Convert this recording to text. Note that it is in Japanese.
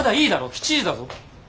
７時だぞ。